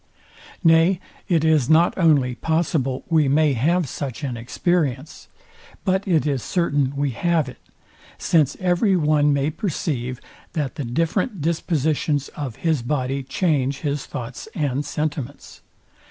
Nay it is not only possible we may have such an experience, but it is certain we have it; since every one may perceive, that the different dispositions of his body change his thoughts and sentiments.